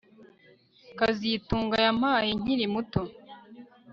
kazitunga yampaye nkiri muto